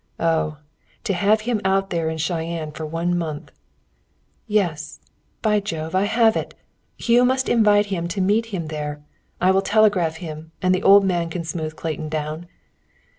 Oh! to have him out there in Cheyenne for one month. "Yes! By Jove, I have it! Hugh must invite him to meet him there. I will telegraph him, and the old man can smooth Clayton down."